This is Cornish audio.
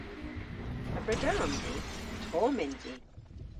A brederons i? Tomm yns i!